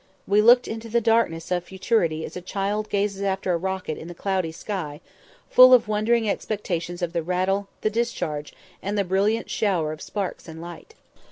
We looked into the darkness of futurity as a child gazes after a rocket up in the cloudy sky, full of wondering expectation of the rattle, the discharge, and the brilliant shower of sparks and light.